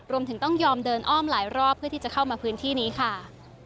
รวมถึงต้องยอมเดินอ้อมหลายรอบเพื่อที่จะเข้ามาพื้นที่นี้ค่ะ